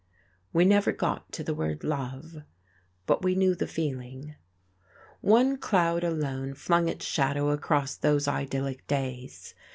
We never got to the word "love," but we knew the feeling. One cloud alone flung its shadow across these idyllic days.